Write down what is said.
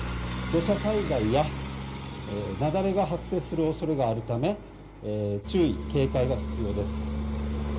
土砂災害や雪崩が発生するおそれがあるため注意、警戒が必要です。